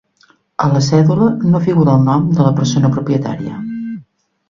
A la cèdula no figura el nom de la persona propietària.